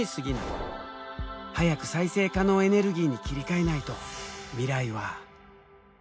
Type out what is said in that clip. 早く再生可能エネルギーに切り替えないと未来は。